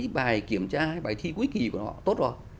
cộng với cái bài kiểm tra hay bài thi cuối kỳ của họ tốt rồi